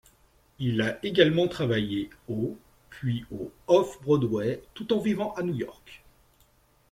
Il a également travaillé au puis au Off-Broadway tout en vivant à New York.